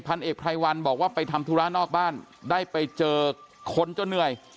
เอกไพรวัลบอกว่าไปทำธุระนอกบ้านได้ไปเจอคนจนเหนื่อย